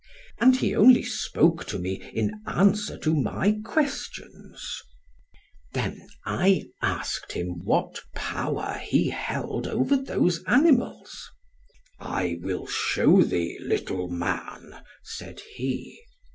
And he only spoke to me in answer to my questions. {21a} Then I asked him what power he held over those animals. 'I will shew thee, little man,' said he.